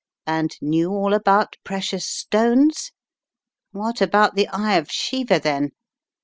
And knew all about precious stones? What about the Eye of Shiva, then?